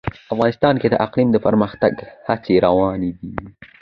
افغانستان کې د اقلیم د پرمختګ هڅې روانې دي.